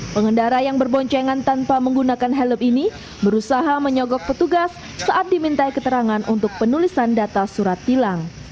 pengendara yang berboncengan tanpa menggunakan helm ini berusaha menyogok petugas saat dimintai keterangan untuk penulisan data surat tilang